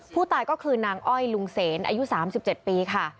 ผู้ตายก็คือนางอ้อยลุงเสนอายุ๓๗ปีค่ะ